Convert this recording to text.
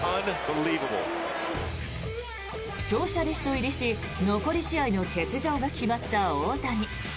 故障者リスト入りし残り試合の欠場が決まった大谷。